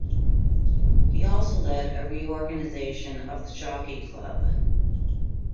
He also led a reorganisation of the Jockey Club.